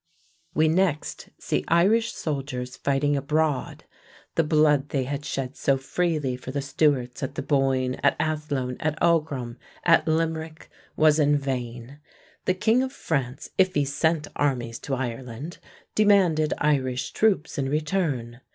We next see Irish soldiers fighting abroad. The blood they had shed so freely for the Stuarts at the Boyne, at Athlone, at Aughrim, at Limerick was in vain. The king of France, if he sent armies to Ireland, demanded Irish troops in return.